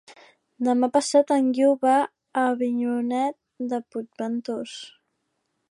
Demà passat en Guiu va a Avinyonet de Puigventós.